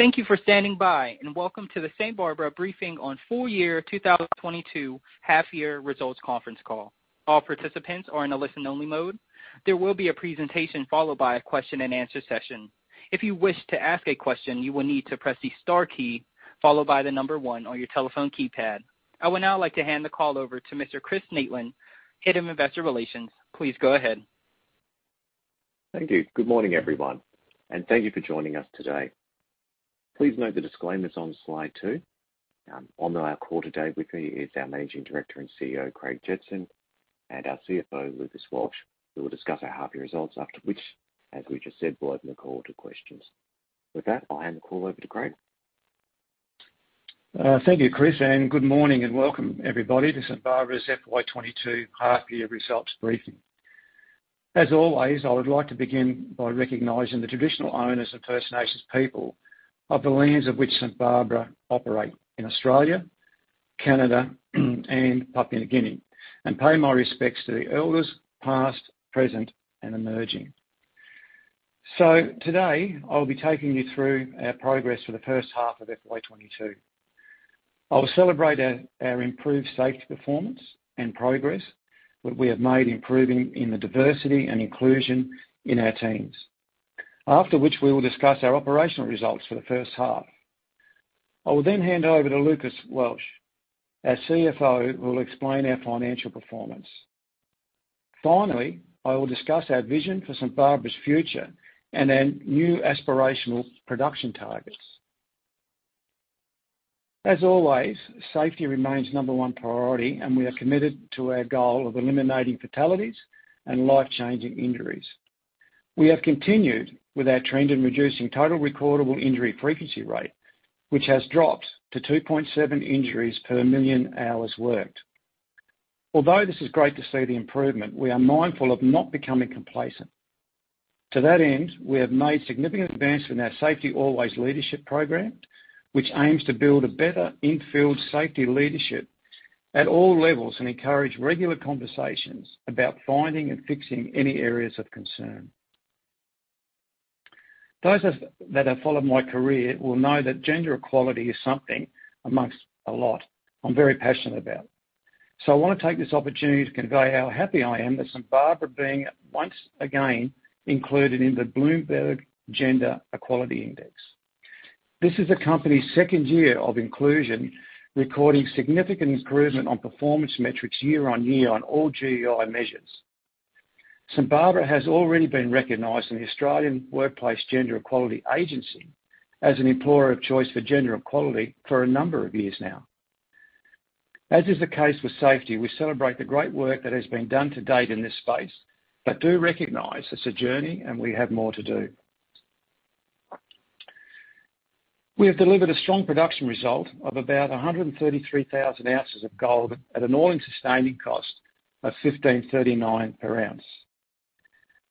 Thank you for standing by, and welcome to the St Barbara briefing on full year 2022 half year results conference call. All participants are in a listen only mode. There will be a presentation followed by a question-and-answer session. If you wish to ask a question, you will need to press the star key followed by the number one on your telephone keypad. I would now like to hand the call over to Mr. Chris Maitland, Head of Investor Relations. Please go ahead. Thank you. Good morning, everyone, and thank you for joining us today. Please note the disclaimers on slide two. On our call today with me is our Managing Director and CEO, Craig Jetson, and our CFO, Lucas Welsh, who will discuss our half-year results, after which, as we just said, we'll open the call to questions. With that, I'll hand the call over to Craig. Thank you, Chris, and good morning and welcome everybody to St Barbara's FY 2022 half year results briefing. As always, I would like to begin by recognizing the traditional owners and First Nations people of the lands of which St Barbara operate in Australia, Canada, and Papua New Guinea, and pay my respects to the elders past, present, and emerging. Today I'll be taking you through our progress for the first half of FY 2022. I will celebrate our improved safety performance and progress that we have made improving in the diversity and inclusion in our teams. After which we will discuss our operational results for the first half. I will then hand over to Lucas Welsh, our CFO, who will explain our financial performance. Finally, I will discuss our vision for St Barbara's future and our new aspirational production targets. As always, safety remains number one priority, and we are committed to our goal of eliminating fatalities and life-changing injuries. We have continued with our trend in reducing total recordable injury frequency rate, which has dropped to 2.7 injuries per million hours worked. Although this is great to see the improvement, we are mindful of not becoming complacent. To that end, we have made significant advances in our Safety Always leadership program, which aims to build a better in-field safety leadership at all levels and encourage regular conversations about finding and fixing any areas of concern. Those of us that have followed my career will know that gender equality is something, among a lot, I'm very passionate about. I wanna take this opportunity to convey how happy I am that St Barbara is once again included in the Bloomberg Gender-Equality Index. This is the company's second year of inclusion, recording significant improvement on performance metrics year-on-year on all GEI measures. St Barbara has already been recognized in the Australian Workplace Gender Equality Agency as an employer of choice for gender equality for a number of years now. As is the case with safety, we celebrate the great work that has been done to date in this space, but do recognize it's a journey and we have more to do. We have delivered a strong production result of about 133,000 ounces of gold at an All-in Sustaining Cost of 1,539 per ounce.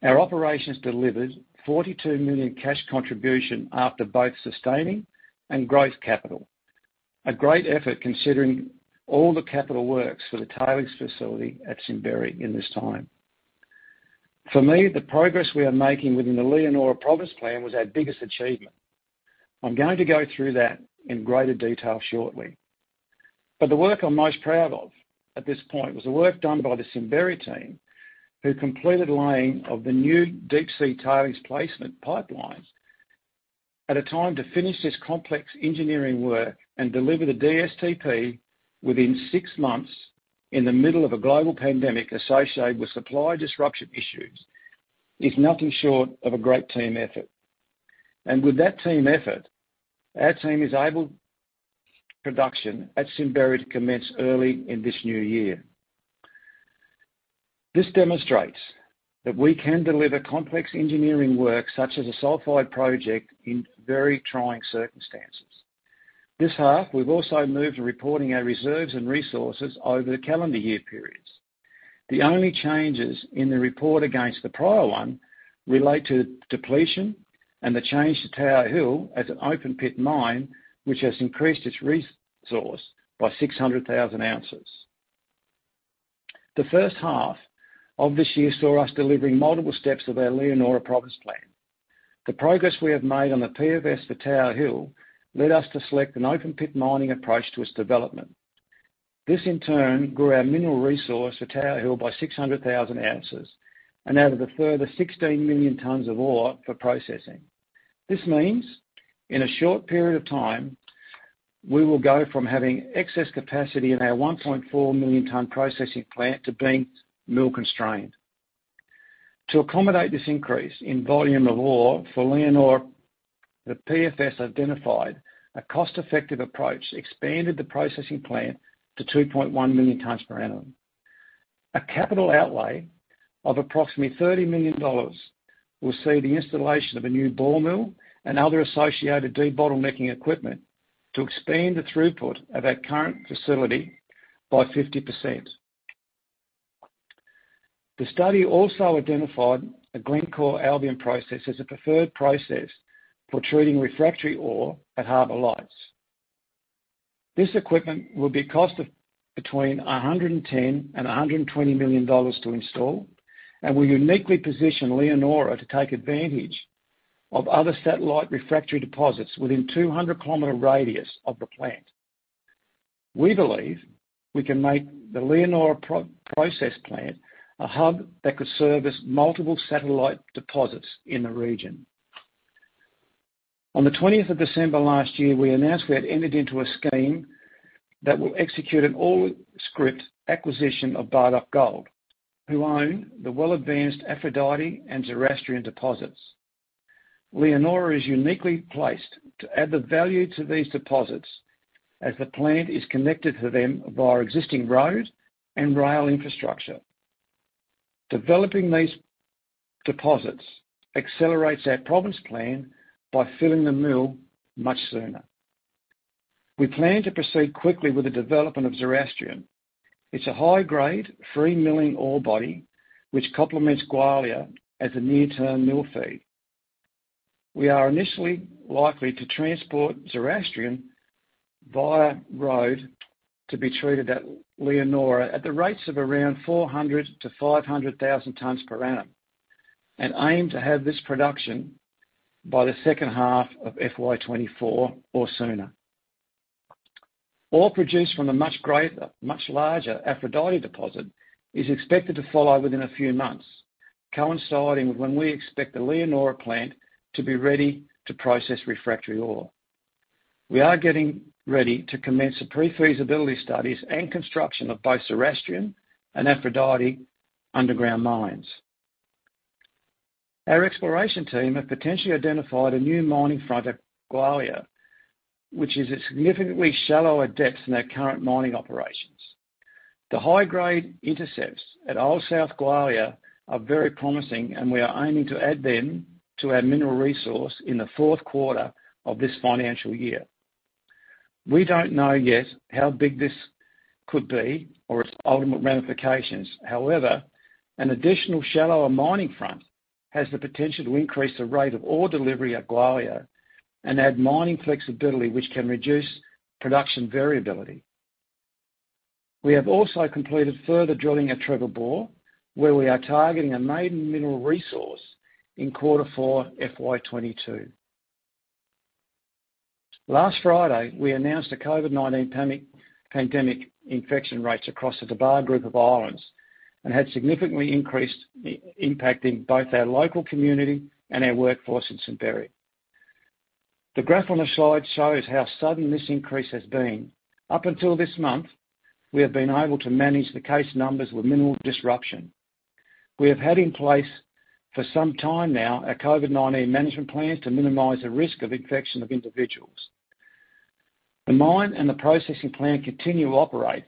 Our operations delivered 42 million cash contribution after both sustaining and growth capital. A great effort considering all the capital works for the tailings facility at Simberi in this time. For me, the progress we are making within the Leonora Province Plan was our biggest achievement. I'm going to go through that in greater detail shortly. The work I'm most proud of at this point was the work done by the Simberi team, who completed laying of the new Deep Sea Tailings Placement pipelines. The time to finish this complex engineering work and deliver the DSTP within six months in the middle of a global pandemic associated with supply disruption issues is nothing short of a great team effort. With that team effort, production at Simberi is able to commence early in this new year. This demonstrates that we can deliver complex engineering work, such as a Sulphide Project, in very trying circumstances. This half, we've also moved to reporting our reserves and resources over the calendar year periods. The only changes in the report against the prior one relate to depletion and the change to Tower Hill as an open pit mine, which has increased its resource by 600,000 ounces. The first half of this year saw us delivering multiple steps of our Leonora Province Plan. The progress we have made on the PFS for Tower Hill led us to select an open pit mining approach to its development. This in turn grew our mineral resource for Tower Hill by 600,000 ounces and added a further 16 million tonnes of ore for processing. This means, in a short period of time, we will go from having excess capacity in our 1.4 million tonne processing plant to being mill constrained. To accommodate this increase in volume of ore for Leonora, the PFS identified a cost-effective approach, expanded the processing plant to 2.1 million tons per annum. A capital outlay of approximately 30 million dollars will see the installation of a new ball mill and other associated debottlenecking equipment to expand the throughput of our current facility by 50%. The study also identified a Glencore Albion Process as a preferred process for treating refractory ore at Harbour Lights. This equipment will cost between 110 million and 120 million dollars to install, and will uniquely position Leonora to take advantage of other satellite refractory deposits within 200-km radius of the plant. We believe we can make the Leonora processing plant a hub that could service multiple satellite deposits in the region. On the twentieth of December last year, we announced we had entered into a scheme that will execute an all-scrip acquisition of Bardoc Gold, who own the well-advanced Aphrodite and Zoroastrian deposits. Leonora is uniquely placed to add the value to these deposits as the plant is connected to them via existing road and rail infrastructure. Developing these deposits accelerates our Province Plan by filling the mill much sooner. We plan to proceed quickly with the development of Zoroastrian. It's a high-grade free milling ore body, which complements Gwalia as a near-term mill feed. We are initially likely to transport Zoroastrian via road to be treated at Leonora at the rates of around 400,000-500,000 tonnes per annum, and aim to have this production by the second half of FY 2024 or sooner. Ore produced from the much greater, much larger Aphrodite deposit is expected to follow within a few months, coinciding with when we expect the Leonora plant to be ready to process refractory ore. We are getting ready to commence the pre-feasibility studies and construction of both Zoroastrian and Aphrodite underground mines. Our exploration team have potentially identified a new mining front at Gwalia, which is a significantly shallower depth than their current mining operations. The high-grade intercepts at Old South Gwalia are very promising, and we are aiming to add them to our mineral resource in the fourth quarter of this financial year. We don't know yet how big this could be or its ultimate ramifications. However, an additional shallower mining front has the potential to increase the rate of ore delivery at Gwalia and add mining flexibility, which can reduce production variability. We have also completed further drilling at Trevor Bore, where we are targeting a maiden mineral resource in quarter four FY 2022. Last Friday, we announced that the COVID-19 pandemic infection rates across the Tabar Group of Islands had significantly increased, impacting both our local community and our workforce in St Barbara. The graph on the slide shows how sudden this increase has been. Up until this month, we have been able to manage the case numbers with minimal disruption. We have had in place for some time now a COVID-19 management plan to minimize the risk of infection of individuals. The mine and the processing plant continue to operate,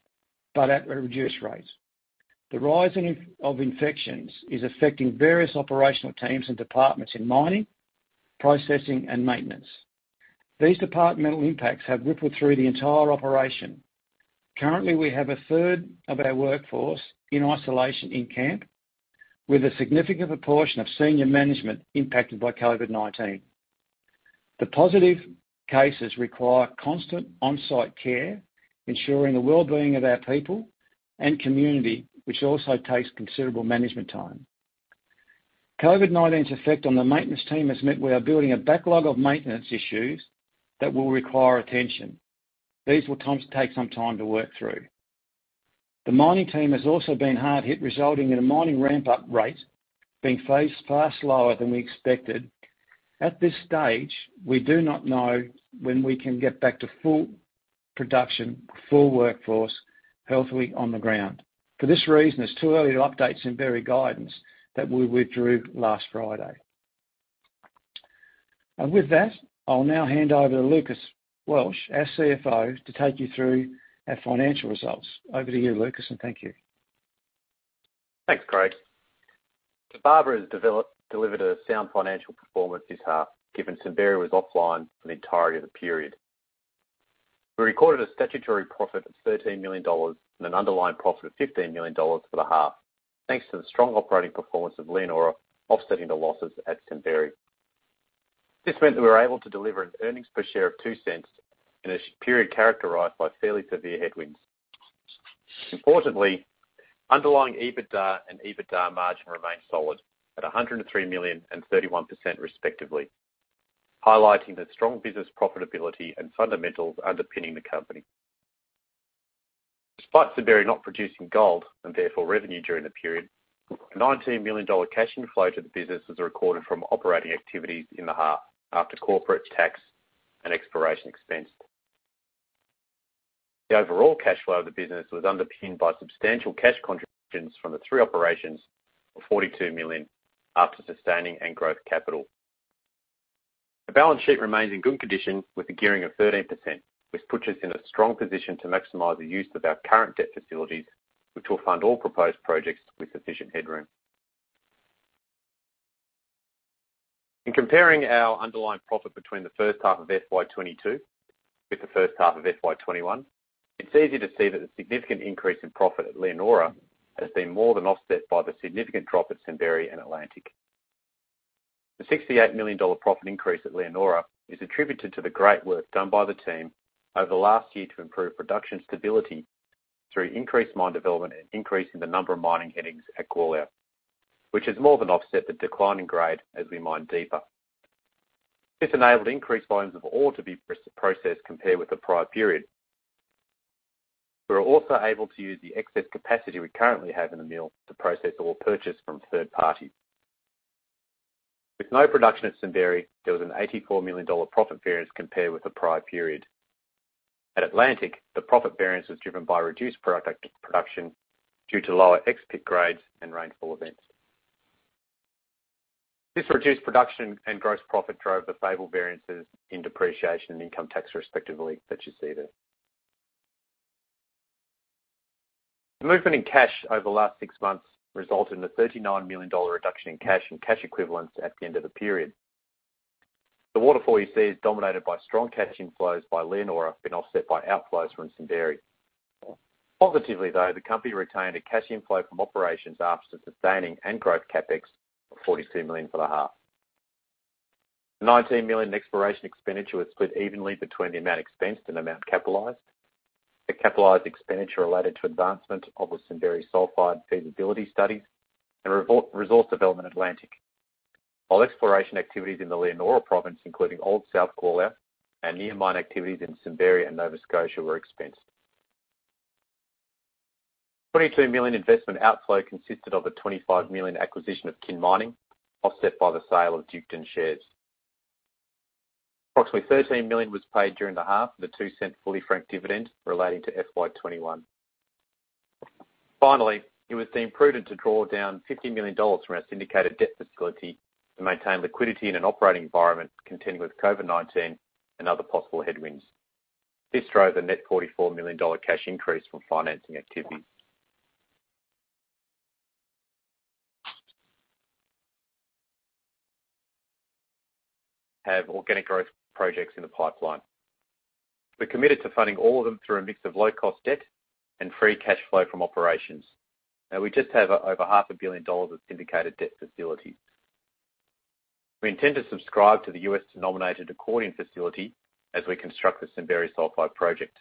but at a reduced rate. The rising of infections is affecting various operational teams and departments in mining, processing, and maintenance. These departmental impacts have rippled through the entire operation. Currently, we have a third of our workforce in isolation in camp, with a significant portion of senior management impacted by COVID-19. The positive cases require constant on-site care, ensuring the well-being of our people and community, which also takes considerable management time. COVID-19's effect on the maintenance team has meant we are building a backlog of maintenance issues that will require attention. These will come to take some time to work through. The mining team has also been hard hit, resulting in a mining ramp-up rate being faced far slower than we expected. At this stage, we do not know when we can get back to full production, full workforce, healthily on the ground. For this reason, it's too early to update St Barbara guidance that we withdrew last Friday. With that, I'll now hand over to Lucas Welsh, our CFO, to take you through our financial results. Over to you, Lucas, and thank you. Thanks, Craig. St Barbara has delivered a sound financial performance this half, given St Barbara was offline for the entirety of the period. We recorded a statutory profit of AUD 13 million and an underlying profit of AUD 15 million for the half, thanks to the strong operating performance of Leonora offsetting the losses at St Barbara. This meant that we were able to deliver an earnings per share of 0.02 in a period characterized by fairly severe headwinds. Importantly, underlying EBITDA and EBITDA margin remained solid at 103 million and 31% respectively, highlighting the strong business profitability and fundamentals underpinning the company. Despite St Barbara not producing gold, and therefore revenue during the period, 19 million dollar cash inflow to the business was recorded from operating activities in the half after corporate tax and exploration expense. The overall cash flow of the business was underpinned by substantial cash contributions from the three operations of 42 million after sustaining and growth capital. The balance sheet remains in good condition with a gearing of 13%, which puts us in a strong position to maximize the use of our current debt facilities, which will fund all proposed projects with sufficient headroom. In comparing our underlying profit between the first half of FY 2022 with the first half of FY 2021, it's easy to see that the significant increase in profit at Leonora has been more than offset by the significant drop at Simberi. Bardoc and Atlantic. The 68 million dollar profit increase at Leonora is attributed to the great work done by the team over the last year to improve production stability through increased mine development and increase in the number of mining headings at Gwalia, which has more than offset the decline in grade as we mine deeper. This enabled increased volumes of ore to be processed compared with the prior period. We were also able to use the excess capacity we currently have in the mill to process ore purchased from a third party. With no production at Simberi, there was an 84 million dollar profit variance compared with the prior period. At Atlantic, the profit variance was driven by reduced production due to lower ex-pit grades and rainfall events. This reduced production and gross profit drove the favorable variances in depreciation and income tax respectively that you see there. The movement in cash over the last six months resulted in an 39 million dollar reduction in cash and cash equivalents at the end of the period. The waterfall you see is dominated by strong cash inflows by Leonora being offset by outflows from Simberi. Positively, though, the company retained a cash inflow from operations after sustaining and growth CapEx of 42 million for the half. 19 million exploration expenditure was split evenly between the amount expensed and amount capitalized. The capitalized expenditure related to advancement of the Simberi Sulphide feasibility studies and resource development Atlantic. While exploration activities in the Leonora Province, including Old South Gwalia and near mine activities in Simberi and Nova Scotia were expensed. 22 million investment outflow consisted of an 25 million acquisition of Kin Mining, offset by the sale of Duketon shares. Approximately 13 million was paid during the half, the 2-cent fully franked dividend relating to FY 2021. Finally, it was deemed prudent to draw down 50 million dollars from our syndicated debt facility to maintain liquidity in an operating environment contending with COVID-19 and other possible headwinds. This drove the net 44 million dollar cash increase from financing activity. We have organic growth projects in the pipeline. We're committed to funding all of them through a mix of low-cost debt and free cash flow from operations. Now, we just have over half a billion dollars of syndicated debt facilities. We intend to subscribe to the U.S.-denominated accordion facility as we construct the Simberi Sulphide Project.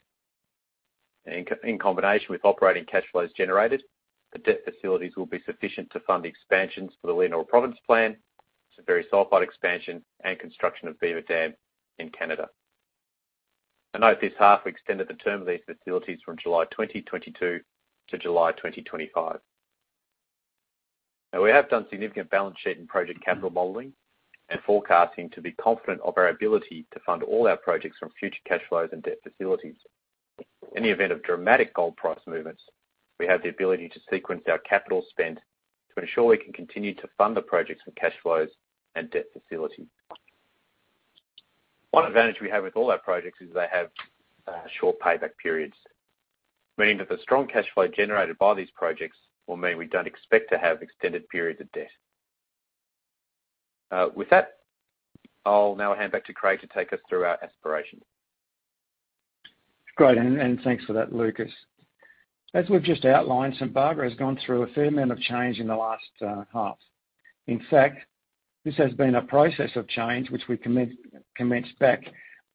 In combination with operating cash flows generated, the debt facilities will be sufficient to fund the expansions for the Leonora Province Plan, Simberi Sulphide expansion, and construction of Beaver Dam in Canada. Note this half, we extended the term of these facilities from July 2022 to July 2025. Now, we have done significant balance sheet and project capital modeling and forecasting to be confident of our ability to fund all our projects from future cash flows and debt facilities. In the event of dramatic gold price movements, we have the ability to sequence our capital spend to ensure we can continue to fund the projects from cash flows and debt facility. One advantage we have with all our projects is they have short payback periods, meaning that the strong cash flow generated by these projects will mean we don't expect to have extended periods of debt. With that, I'll now hand back to Craig to take us through our aspirations. Great, thanks for that, Lucas. As we've just outlined, St Barbara has gone through a fair amount of change in the last half. In fact, this has been a process of change which we commenced back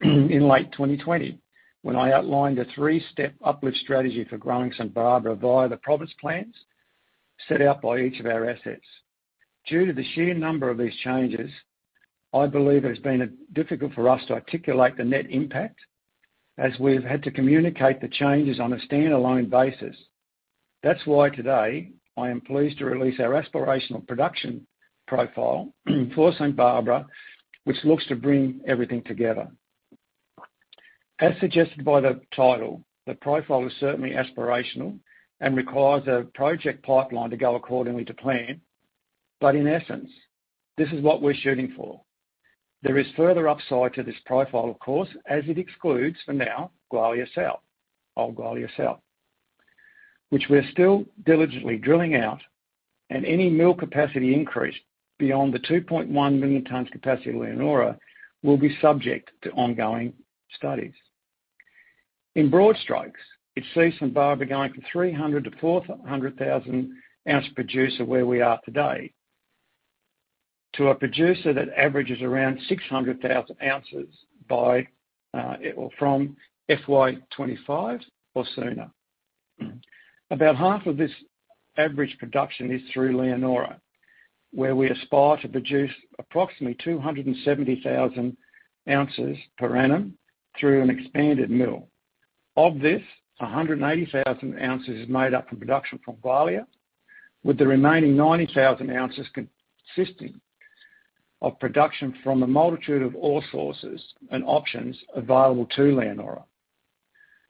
in late 2020, when I outlined a three-step uplift strategy for growing St Barbara via the province plans set out by each of our assets. Due to the sheer number of these changes, I believe it has been difficult for us to articulate the net impact as we've had to communicate the changes on a stand-alone basis. That's why today, I am pleased to release our aspirational production profile for St Barbara, which looks to bring everything together. As suggested by the title, the profile is certainly aspirational and requires a project pipeline to go accordingly to plan. In essence, this is what we're shooting for. There is further upside to this profile, of course, as it excludes for now Gwalia South, Old South Gwalia, which we're still diligently drilling out, and any mill capacity increase beyond the 2.1 million tons capacity of Leonora will be subject to ongoing studies. In broad strokes, it sees St Barbara going from 300-400 thousand ounce producer, where we are today, to a producer that averages around 600,000 ounces by or from FY 2025 or sooner. About half of this average production is through Leonora, where we aspire to produce approximately 270,000 ounces per annum through an expanded mill. Of this, 180,000 ounces is made up from production from Gwalia, with the remaining 90,000 ounces consisting of production from a multitude of ore sources and options available to Leonora.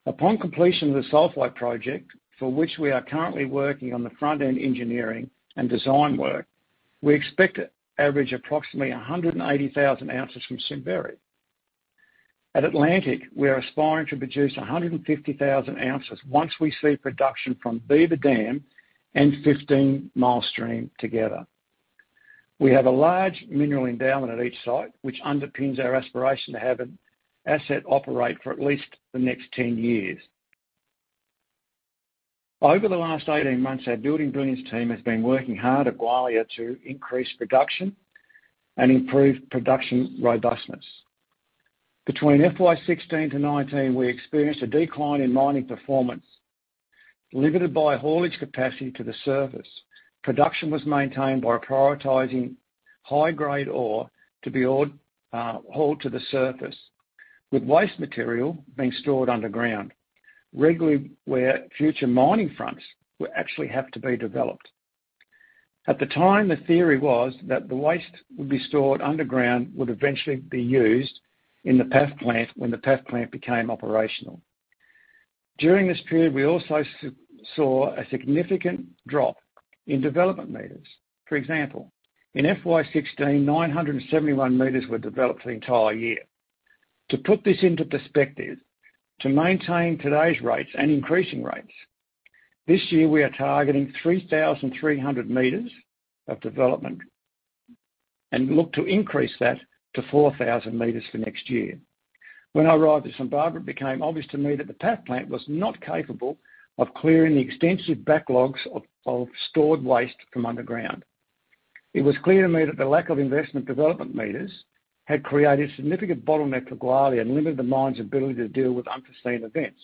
Upon completion of the Sulphide Project, for which we are currently working on the Front-End Engineering and Design work, we expect to average approximately 180,000 ounces from Simberi. At Atlantic, we are aspiring to produce 150,000 ounces once we see production from Beaver Dam and Fifteen Mile Stream together. We have a large mineral endowment at each site, which underpins our aspiration to have an asset operate for at least the next 10 years. Over the last 18 months, our Building Brilliance team has been working hard at Gwalia to increase production and improve production robustness. Between FY 2016-2019, we experienced a decline in mining performance. Limited by haulage capacity to the surface, production was maintained by prioritizing high-grade ore to be hauled to the surface, with waste material being stored underground, regularly where future mining fronts would actually have to be developed. At the time, the theory was that the waste would be stored underground, would eventually be used in the PAF plant when the PAF plant became operational. During this period, we also saw a significant drop in development meters. For example, in FY 2016, 971 meters were developed the entire year. To put this into perspective, to maintain today's rates and increasing rates, this year we are targeting 3,300 meters of development and look to increase that to 4,000 meters for next year. When I arrived at St Barbara. Barbara, it became obvious to me that the PAF plant was not capable of clearing the extensive backlogs of stored waste from underground. It was clear to me that the lack of investment development meters had created a significant bottleneck for Gwalia and limited the mine's ability to deal with unforeseen events.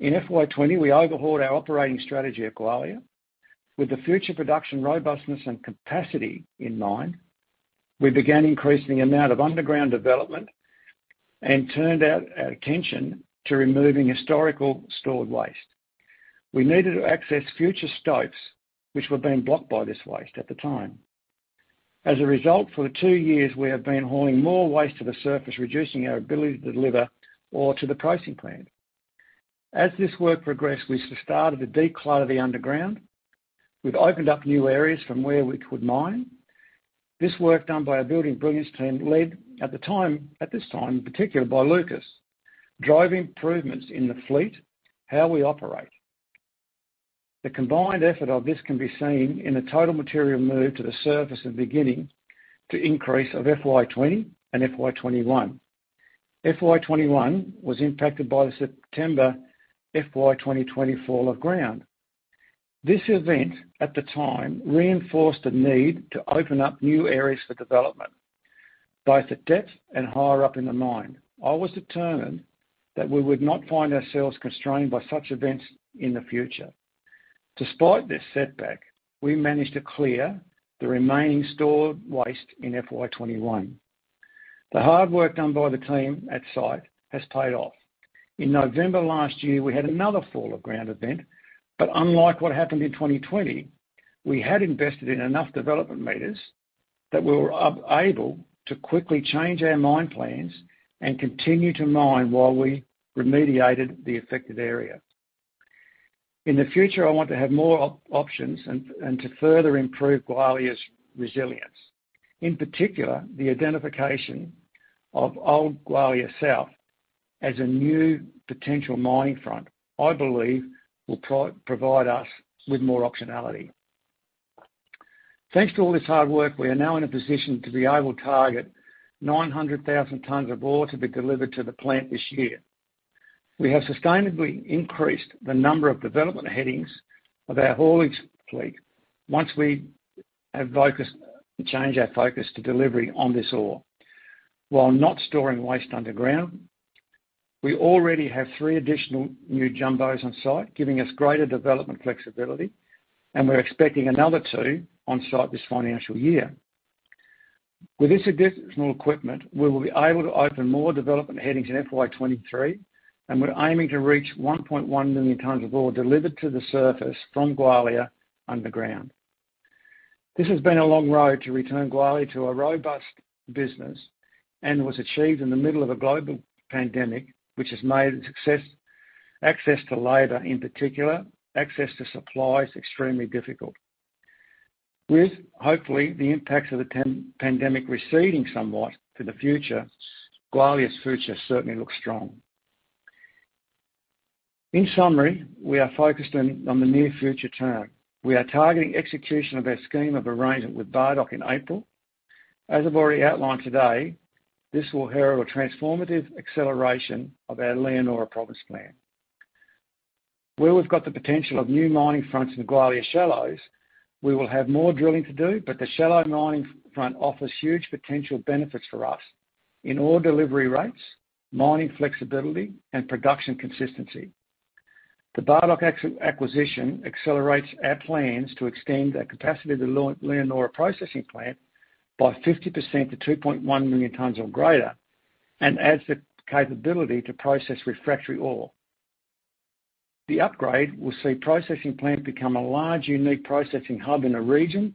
In FY 2020, we overhauled our operating strategy at Gwalia. With the future production robustness and capacity in mind, we began increasing the amount of underground development and turned our attention to removing historical stored waste. We needed to access future stopes, which were being blocked by this waste at the time. As a result, for the two years, we have been hauling more waste to the surface, reducing our ability to deliver ore to the processing plant. As this work progressed, we started to declutter the underground. We've opened up new areas from where we could mine. This work done by our Building Brilliance team led at the time, at this time, in particular by Lucas, driving improvements in the fleet, how we operate. The combined effort of this can be seen in the total material moved to the surface and beginning to increase of FY 2020 and FY 2021. FY 2021 was impacted by the September FY 2020 fall of ground. This event at the time reinforced the need to open up new areas for development, both at depth and higher up in the mine. I was determined that we would not find ourselves constrained by such events in the future. Despite this setback, we managed to clear the remaining stored waste in FY 2021. The hard work done by the team at site has paid off. In November last year, we had another fall of ground event. Unlike what happened in 2020, we had invested in enough development meters that we were able to quickly change our mine plans and continue to mine while we remediated the affected area. In the future, I want to have more options and to further improve Gwalia's resilience. In particular, the identification of Old South Gwalia as a new potential mining front, I believe, will provide us with more optionality. Thanks to all this hard work, we are now in a position to be able to target 900,000 tons of ore to be delivered to the plant this year. We have sustainably increased the number of development headings and our haulage fleet once we changed our focus to delivery on this ore. While not storing waste underground, we already have three additional new jumbos on site, giving us greater development flexibility, and we're expecting another two on site this financial year. With this additional equipment, we will be able to open more development headings in FY 2023, and we're aiming to reach 1.1 million tons of ore delivered to the surface from Gwalia underground. This has been a long road to return Gwalia to a robust business and was achieved in the middle of a global pandemic, which has made access to labor, in particular, access to supplies extremely difficult. With, hopefully, the impacts of the pandemic receding somewhat in the future, Gwalia's future certainly looks strong. In summary, we are focused on the near-term. We are targeting execution of our scheme of arrangement with Bardoc in April. As I've already outlined today, this will herald a transformative acceleration of our Leonora Province Plan. Where we've got the potential of new mining fronts in Gwalia Shallows, we will have more drilling to do, but the shallow mining front offers huge potential benefits for us in ore delivery rates, mining flexibility, and production consistency. The Bardoc acquisition accelerates our plans to extend the capacity of the Leonora processing plant by 50% to 2.1 million tons or greater and adds the capability to process refractory ore. The upgrade will see processing plant become a large, unique processing hub in the region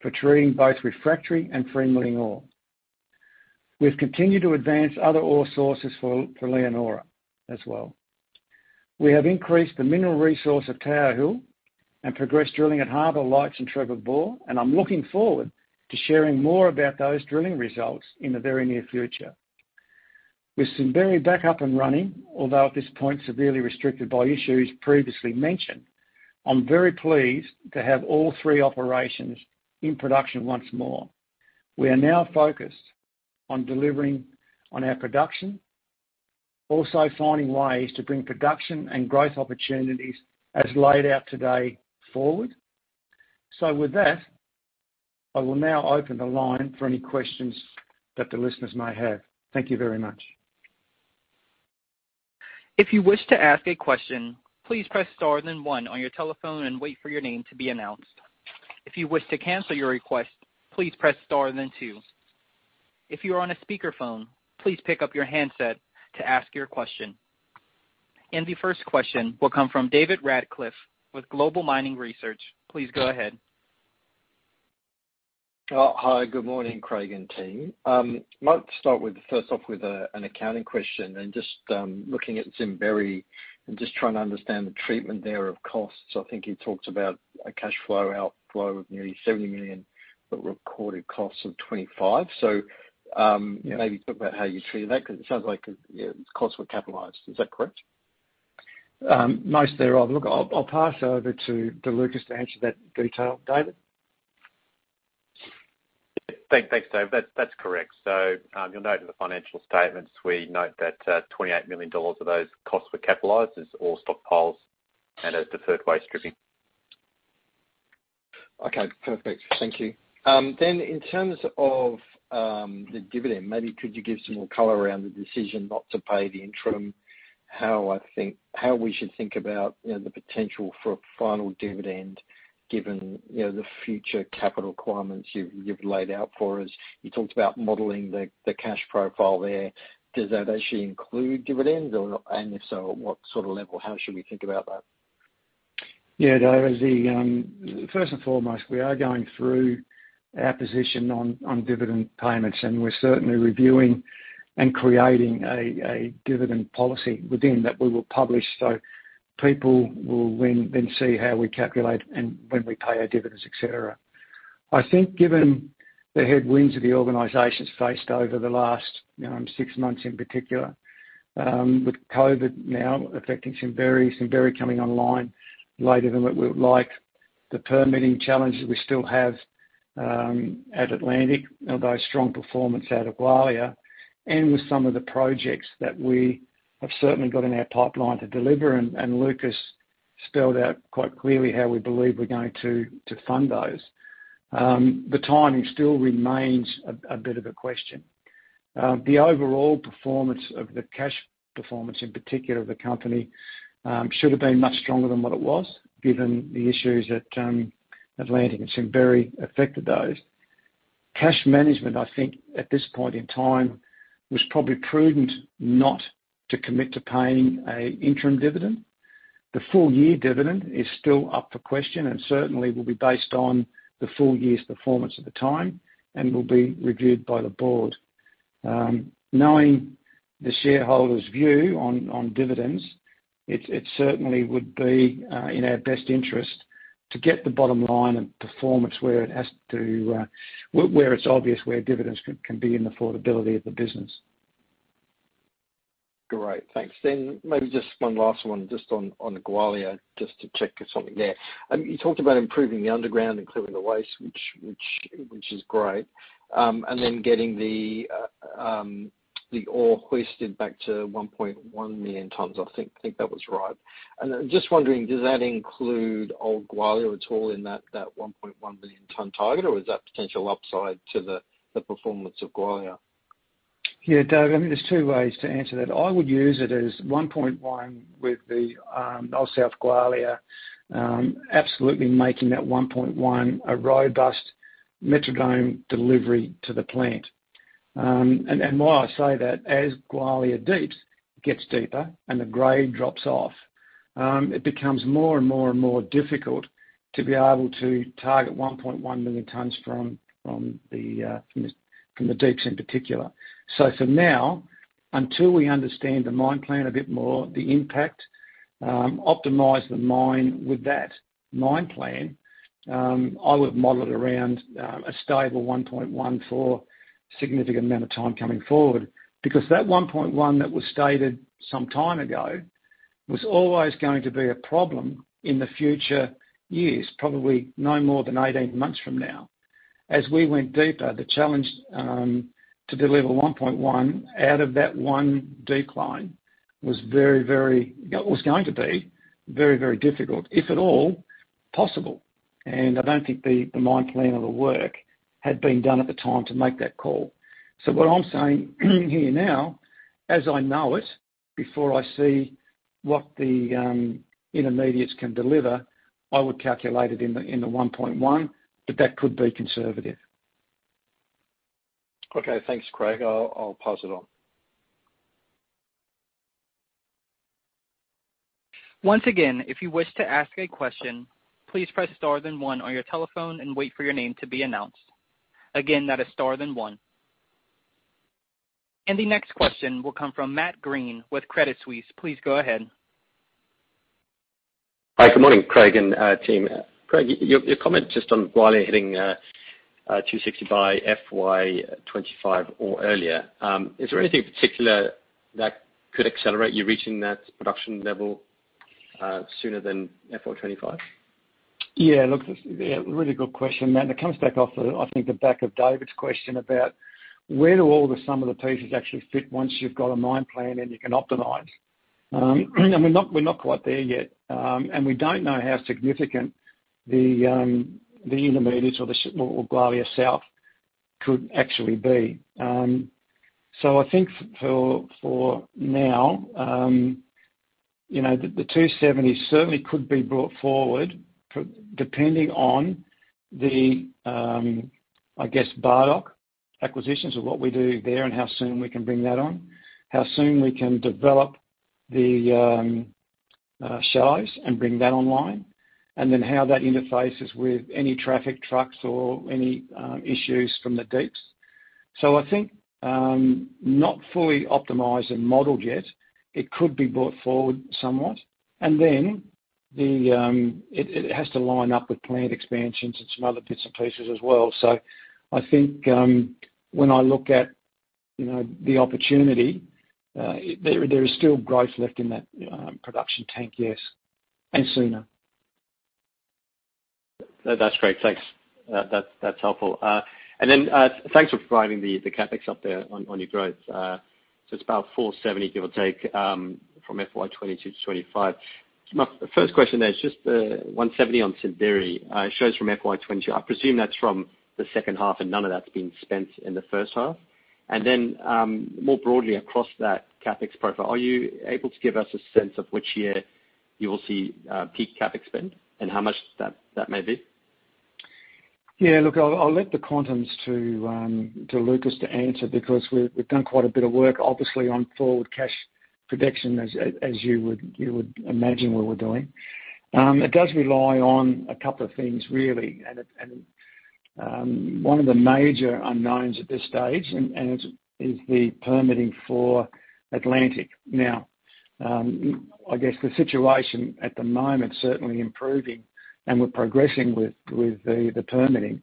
for treating both refractory and free milling ore. We've continued to advance other ore sources for Leonora as well. We have increased the mineral resource at Tower Hill and progressed drilling at Harbour Lights and Trevor Bore, and I'm looking forward to sharing more about those drilling results in the very near future. With Simberi back up and running, although at this point severely restricted by issues previously mentioned, I'm very pleased to have all three operations in production once more. We are now focused on delivering on our production, also finding ways to bring production and growth opportunities as laid out today forward. With that, I will now open the line for any questions that the listeners may have. Thank you very much. The first question will come from David Radclyffe with Global Mining Research. Please go ahead. Hi, good morning, Craig and team. I might start first off with an accounting question and just looking at Simberi and just trying to understand the treatment there of costs. I think you talked about a cash flow outflow of nearly 70 million, but recorded costs of 25 million. Yeah. Maybe talk about how you treat that because it sounds like, you know, costs were capitalized. Is that correct? Look, I'll pass over to Lucas to answer that detail, David. Thanks, Dave. That's correct. You'll note in the financial statements, we note that 28 million dollars of those costs were capitalized as ore stockpiles and as deferred waste stripping. Okay, perfect. Thank you. In terms of the dividend, maybe could you give some more color around the decision not to pay the interim? How we should think about, you know, the potential for a final dividend given, you know, the future capital requirements you've laid out for us. You talked about modeling the cash profile there. Does that actually include dividends or not? And if so, what sort of level? How should we think about that? Yeah, David, as the first and foremost, we are going through our position on dividend payments, and we're certainly reviewing and creating a dividend policy within that we will publish. People will then see how we calculate and when we pay our dividends, et cetera. I think given the headwinds that the organization's faced over the last six months in particular, with COVID now affecting Simberi coming online later than what we would like, the permitting challenge that we still have at Atlantic, although strong performance out of Gwalia, and with some of the projects that we have certainly got in our pipeline to deliver, and Lucas spelled out quite clearly how we believe we're going to fund those. The timing still remains a bit of a question. The overall performance of the cash performance, in particular of the company, should have been much stronger than what it was, given the issues at Atlantic and Simberi affected those. Cash management, I think at this point in time, was probably prudent not to commit to paying an interim dividend. The full-year dividend is still up for question and certainly will be based on the full year's performance at the time and will be reviewed by the board. Knowing the shareholders' view on dividends, it certainly would be in our best interest to get the bottom line of performance where it has to, where it's obvious where dividends can be in affordability of the business. Great. Thanks. Maybe just one last one just on the Gwalia, just to check something there. You talked about improving the underground and clearing the waste, which is great. Getting the ore hoisted back to 1.1 million tons. I think that was right. I'm just wondering, does that include Old Gwalia at all in that 1.1 million ton target, or is that potential upside to the performance of Gwalia? Yeah, David, I mean, there's two ways to answer that. I would use it as 1.1 with the Old South Gwalia, absolutely making that 1.1 a robust million ton delivery to the plant. And why I say that, as Gwalia Deeps gets deeper and the grade drops off, it becomes more and more difficult to be able to target 1.1 million tonnes from the Deeps in particular. For now, until we understand the mine plan a bit more, the impact, optimize the mine with that mine plan, I would model it around a stable 1.1 for significant amount of time coming forward. Because that 1.1 that was stated some time ago was always going to be a problem in the future years, probably no more than 18 months from now. As we went deeper, the challenge to deliver 1.1 out of that one decline was very, it was going to be very difficult, if at all possible. I don't think the mine plan or the work had been done at the time to make that call. What I'm saying here now, as I know it, before I see what the intermediates can deliver, I would calculate it in the 1.1, but that could be conservative. Okay, thanks, Craig. I'll pass it on. Once again, if you wish to ask a question, please press star then one on your telephone and wait for your name to be announced. Again, that is star then one. The next question will come from Matt Greene with Credit Suisse. Please go ahead. Hi, good morning, Craig and team. Craig, your comment just on Gwalia hitting 260 by FY 2025 or earlier, is there anything in particular that could accelerate you reaching that production level sooner than FY 2025? Yeah. Look, really good question, Matt, and it comes back off the, I think, the back of David's question about where do all of the sum of the pieces actually fit once you've got a mine plan and you can optimize? We're not quite there yet. We don't know how significant the intermediates or Gwalia South could actually be. So I think for now, you know, the 270 certainly could be brought forward depending on the Bardoc acquisitions or what we do there and how soon we can bring that on, how soon we can develop the shallows and bring that online, and then how that interfaces with any traffic trucks or any issues from the deeps. I think not fully optimized and modeled yet. It could be brought forward somewhat. Then it has to line up with plant expansions and some other bits and pieces as well. I think when I look at you know the opportunity there is still growth left in that production tank yes and sooner. That's great. Thanks. That's helpful. Thanks for providing the CapEx up there on your growth. So it's about 470, give or take, from FY 2022-2025. My first question there is just 170 on Simberi. It shows from FY 2020. I presume that's from the second half, and none of that's been spent in the first half. More broadly across that CapEx profile, are you able to give us a sense of which year you will see peak CapEx spend and how much that may be? Yeah. Look, I'll leave the quantums to Lucas to answer because we've done quite a bit of work, obviously, on forward cash prediction as you would imagine what we're doing. It does rely on a couple of things really. One of the major unknowns at this stage is the permitting for Atlantic. Now, I guess the situation at the moment is certainly improving, and we're progressing with the permitting.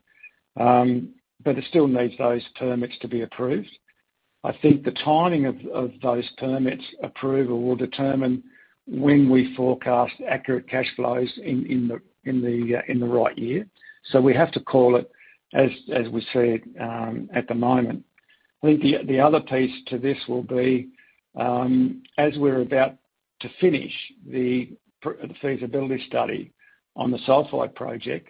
But it still needs those permits to be approved. I think the timing of those permits approval will determine when we forecast accurate cash flows in the right year. We have to call it as we see it at the moment. I think the other piece to this will be, as we're about to finish the feasibility study on the Sulphide Project,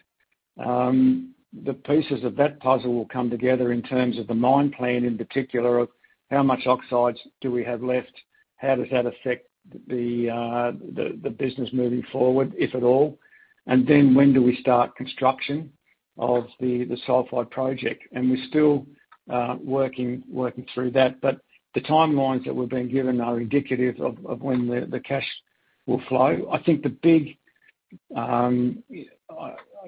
the pieces of that puzzle will come together in terms of the mine plan in particular of how much oxides do we have left, how does that affect the business moving forward, if at all, and then when do we start construction of the Sulphide Project. We're still working through that. The timelines that we're being given are indicative of when the cash will flow. I think the big, I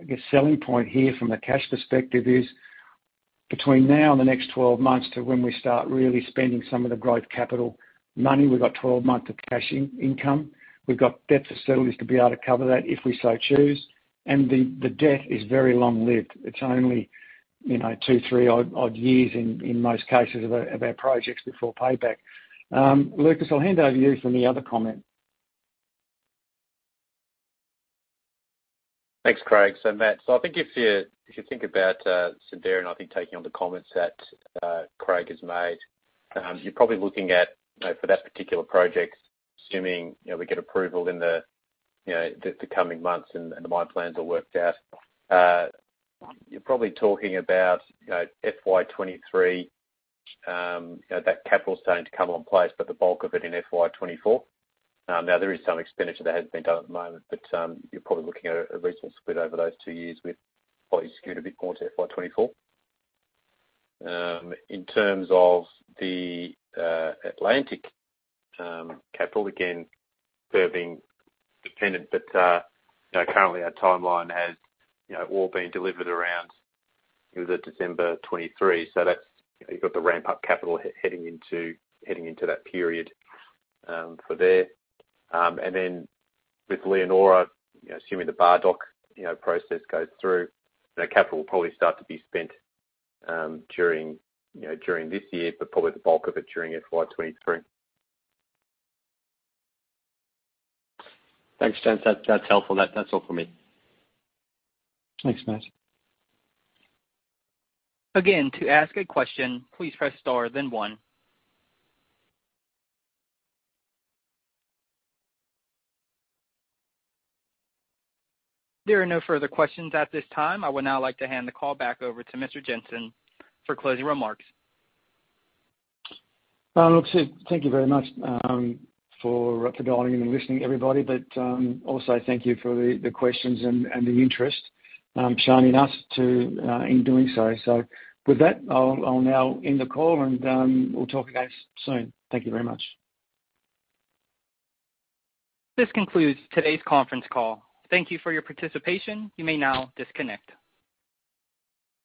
guess, selling point here from a cash perspective is between now and the next 12 months to when we start really spending some of the growth capital money, we've got 12 months of cash income. We've got debt facilities to be able to cover that if we so choose. The debt is very long-lived. It's only, you know, 2-3 odd years in most cases of our projects before payback. Lucas, I'll hand over to you for any other comment. Thanks, Craig. Matt, I think if you think about Simberi, and I think taking on the comments that Craig has made, you're probably looking at, you know, for that particular project, assuming, you know, we get approval in the coming months and the mine plans are worked out, you're probably talking about, you know, FY 2023, you know, that capital is starting to come online, but the bulk of it in FY 2024. Now there is some expenditure that has been done at the moment, but, you're probably looking at a reasonable split over those two years with probably skewed a bit more to FY 2024. In terms of the allocated capital, again, scenario dependent, but you know, currently our timeline has you know all been delivered around the December 2023. That's you know you've got the ramp-up capital heading into that period for there. With Leonora you know assuming the Bardoc you know process goes through, the capital will probably start to be spent during you know during this year, but probably the bulk of it during FY 2023. Thanks, gents. That's helpful. That's all for me. Thanks, Matt. To ask a question, please press star then one. There are no further questions at this time. I would now like to hand the call back over to Mr. Jetson for closing remarks. Look, Sid, thank you very much for dialing and listening, everybody. Also thank you for the questions and interest shown in us in doing so. With that, I'll now end the call and we'll talk again soon. Thank you very much. This concludes today's conference call. Thank you for your participation. You may now disconnect.